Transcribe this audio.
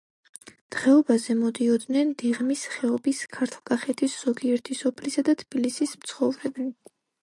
დღეობაზე მოდიოდნენ დიღმის ხეობის, ქართლ-კახეთის ზოგიერთი სოფლისა და თბილისის მცხოვრებნი.